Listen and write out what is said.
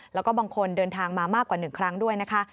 แล้วก็บางคนเดินทางมามากกว่า๑ครั้งด้วยนะคะ